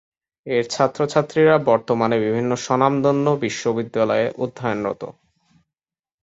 এর ছাত্রছাত্রীরা বর্তমানে বিভিন্ন স্বনামধন্য বিশ্ববিদ্যালয়ে অধ্যয়নরত।